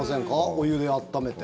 お湯で温めて。